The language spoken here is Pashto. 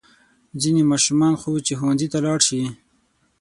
ځینې ماشومان خو چې ښوونځي ته لاړ شي.